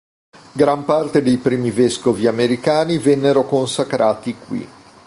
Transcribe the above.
Gran parte dei primi vescovi americani vennero consacrati qui.